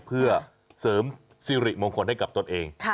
เพื่อสริมองคลให้กับตัวเอง